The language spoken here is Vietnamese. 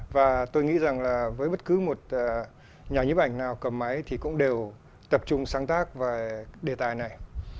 và tôi nghĩ rằng là với bất cứ một nhà nhấp ảnh nào cầm máy thì cũng đều tập trung sáng tác về đề tài này